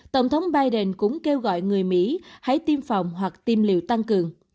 tổng thống biden cũng kêu gọi người mỹ hãy tiêm phòng hoặc tiêm liều tăng cường